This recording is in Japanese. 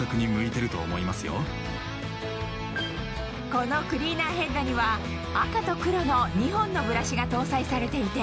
このクリーナーヘッドには赤と黒の２本のブラシが搭載されていて